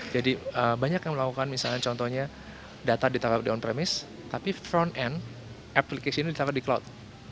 jadi banyak yang melakukan contohnya data ditaruh di on premise tapi aplikasi front end ditaruh di cloud